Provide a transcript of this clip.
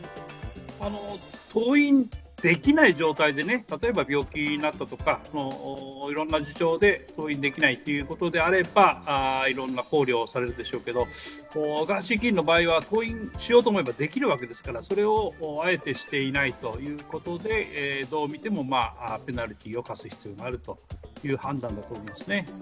登院できない状態でね、例えば病気になったとかいろんな事情で登院できないということであればいろんな考慮がされるでしょうけど、ガーシー議員の場合は登院しようと思えばできるわけですからそれをあえてしていないということで、どう見てもペナルティーを科す必要があるという判断だと思いますね。